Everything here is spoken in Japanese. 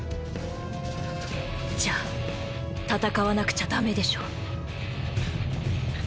じゃあ戦わなくちゃダメでしょ？